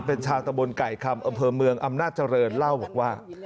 เป็นชาวตะบนไก่คำอำเภอเมืองอำนาจเจริญเล่าบอกว่า